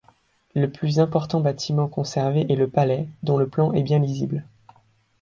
Le plus important bâtiment conservé est le palais, dont le plan est bien lisible.